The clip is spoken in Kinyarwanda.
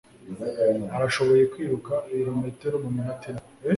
Arashoboye kwiruka ibirometero muminota ine.